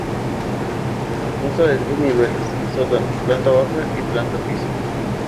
Consta de tres niveles: sótano, planta baja y planta piso.